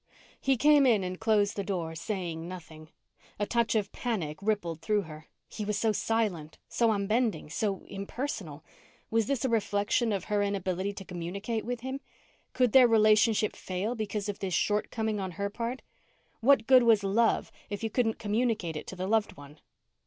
He came in and closed the door, saying nothing. A touch of panic rippled through her. He was so silent, so unbending, so impersonal. Was this a reflection of her inability to communicate with him? Could their relationship fail because of this shortcoming on her part? What good was love if you couldn't communicate it to the loved one?